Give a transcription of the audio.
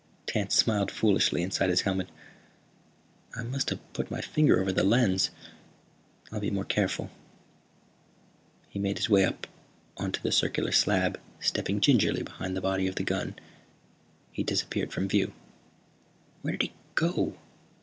Tance smiled foolishly inside his helmet. "I must have put my finger over the lens. I'll be more careful." He made his way up onto the circular slab, stepping gingerly behind the body of the gun. He disappeared from view. "Where did he go?"